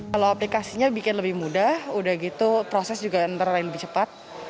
kalau aplikasinya bikin lebih mudah udah gitu proses juga antara lain lebih cepat